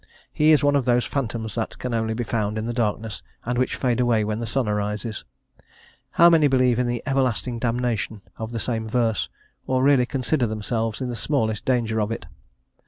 He is one of those phantoms that can only be found in the darkness, and which fade away when the sun arises. How many believe in the "everlasting damnation," of the same verse, or really consider themselves in the smallest danger of it?